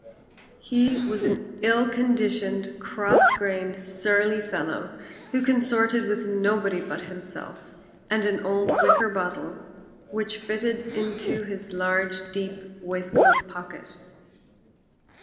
He was an ill conditioned cross grained, surly fellow, who consorted with nobody but himself and an old wicker bottle which fitted into his large, deep waistcoat pocket.